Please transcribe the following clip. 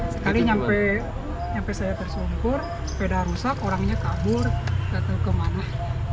sekali sampai saya tersumpur sepeda rusak orangnya kabur gak tahu kemana